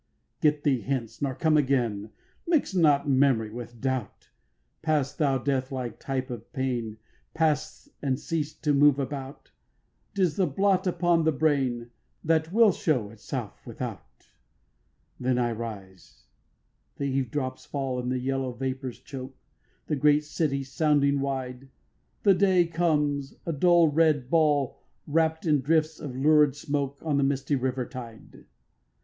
8. Get thee hence, nor come again, Mix not memory with doubt, Pass, thou deathlike type of pain, Pass and cease to move about, 'Tis the blot upon the brain That will show itself without. 9. Then I rise, the eavedrops fall, And the yellow vapours choke The great city sounding wide; The day comes, a dull red ball Wrapt in drifts of lurid smoke On the misty river tide. 10.